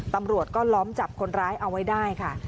ตำรวจก็ล้อมจับคนร้ายเอาไว้ได้ค่ะ